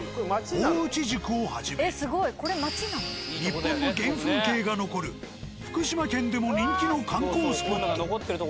大内宿をはじめ日本の原風景が残る福島県でも人気の観光スポット。